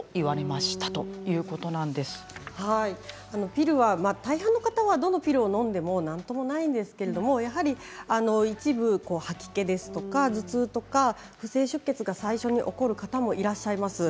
ピルは大半の方はどのピルをのんでも何でもないんですけれど、やはり一部、吐き気ですとか頭痛とか不正出血が最初に起こる方もいらっしゃいます。